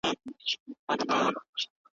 که رواني قافلې وې د ړانده سالار پر پلونو